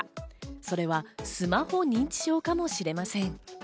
それはスマホ認知症かもしれません。